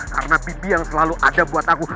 karena bibi yang selalu ada buat aku